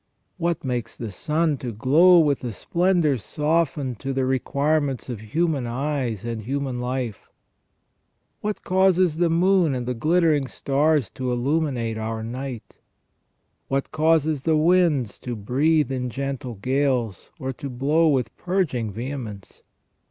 What makes the sun to glow with a splendour softened to the requirements of human eyes and human life ? What causes the moon and the glittering stars to illuminate our night ? What causes the winds to breathe in gentle gales, or to blow with purging vehemence